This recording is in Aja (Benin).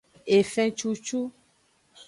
Efencucu.